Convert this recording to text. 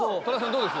どうです？